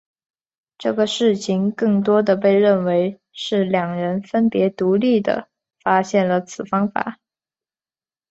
这个事情更多地被认为是两人分别独立地发现了此方法。